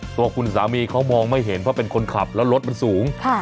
ตัวคุณสามีเขามองไม่เห็นเพราะเป็นคนขับแล้วรถมันสูง